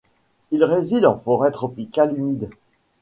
Il réside en forêt tropicale humide.